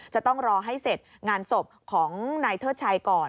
จะต้องรอให้เสร็จงานศพของนายเทิดชัยก่อน